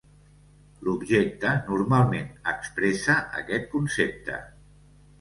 L'objecte normalment expressa aquest concepte.